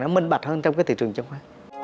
nó minh bạch hơn trong thị trường chứng khoán